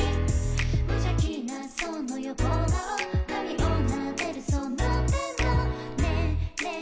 無邪気なその横顔髪を撫でるその手もねえねえ